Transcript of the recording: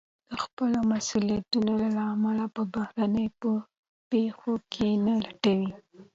د خپلو مسوليتونو لاملونه په بهرنيو پېښو کې نه لټوي.